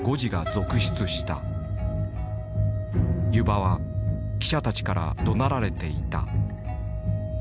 弓場は記者たちからどなられていた。